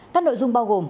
các nội dung bao gồm